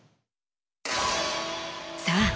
さあ